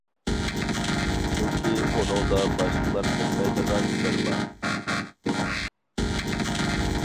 چۈنكى ئۇنىڭدا باشقىلار بىلمەيدىغان سىر بار.